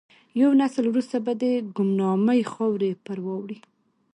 یو نسل وروسته به د ګمنامۍ خاورې پر واوړي.